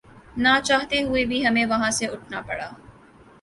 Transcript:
ناچاہتے ہوئے بھی ہمیں وہاں سے اٹھنا پڑا